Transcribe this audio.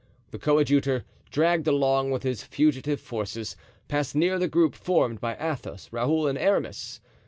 The coadjutor, dragged along with his fugitive forces, passed near the group formed by Athos, Raoul and Aramis.